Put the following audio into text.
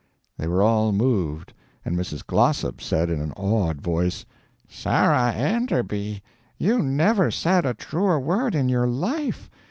They were all moved, and Mrs. Glossop said in an awed voice: "Sarah Enderby, you never said a truer word in your life.